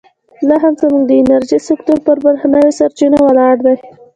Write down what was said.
لا هم زموږ د انرژۍ سکتور پر بهرنیو سرچینو ولاړ دی.